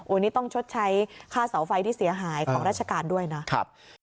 วันนี้ต้องชดใช้ค่าเสาไฟที่เสียหายของราชการด้วยนะครับ